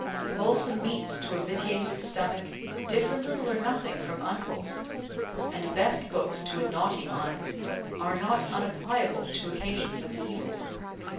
Wholesome meats to a vitiated stomach differ little or nothing from unwholesome; and best books to a naughty mind are not unappliable to occasions of evil.